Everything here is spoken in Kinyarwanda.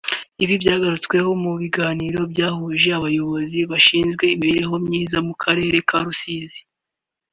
Ibi byagarutsweho mu biganiro byahuje abayobozi bashinzwe imibereho myiza mu Karere ka Rusizi